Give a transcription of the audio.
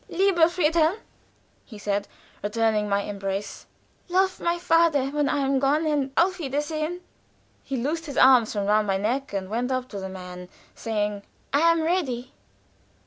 "Lieber Friedhelm!" he said, returning my embrace, "Love my father when I am gone. And auf auf wiedersehen!" He loosed his arms from round my neck and went up to the man, saying: "I am ready."